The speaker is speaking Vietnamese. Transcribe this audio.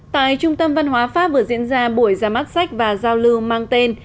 tại trung tâm văn hóa pháp vừa diễn ra buổi ra mắt sách và giao lưu mang tên